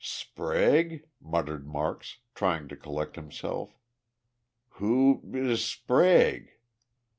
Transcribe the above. "Sprague?" muttered Marks, trying to collect himself. "Who is Sprague?"